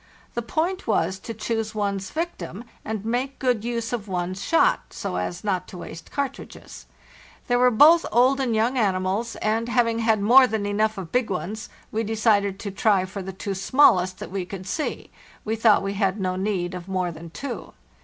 The point was to choose one's victim, and make good use of one's shot, so as not to waste cartridges. There LAND AL LAST 415 were both old and young animals, and, having had more than enough of big cones, we decided to try for the two smallest that we could see; we thought we had no need of more than two.